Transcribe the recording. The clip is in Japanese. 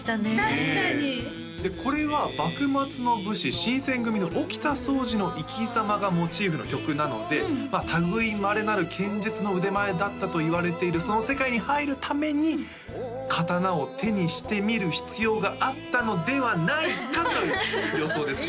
確かにこれは幕末の武士新選組の沖田総司の生きざまがモチーフの曲なので類いまれなる剣術の腕前だったといわれているその世界に入るために刀を手にしてみる必要があったのではないかという予想です